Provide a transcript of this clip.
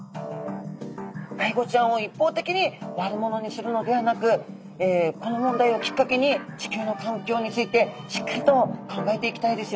アイゴちゃんを一方的に悪者にするのではなくこの問題をきっかけに地球の環境についてしっかりと考えていきたいですよね。